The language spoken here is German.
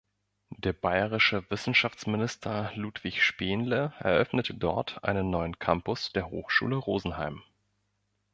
Der bayerische Wissenschaftsminister Ludwig Spaenle eröffnete dort einen neuen Campus der Hochschule Rosenheim.